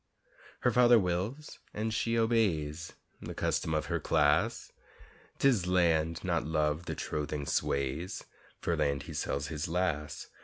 Her father wills and she obeys, The custom of her class; 'Tis Land not Love the trothing sways For Land he sells his lass.